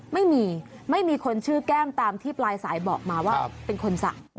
ไม่มีไม่มีคนชื่อแก้มตามที่ปลายสายบอกมาว่าเป็นคนสั่ง